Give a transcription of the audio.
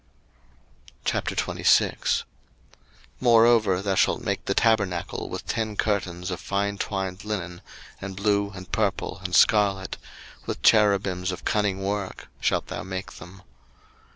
02:026:001 Moreover thou shalt make the tabernacle with ten curtains of fine twined linen, and blue, and purple, and scarlet: with cherubims of cunning work shalt thou make them.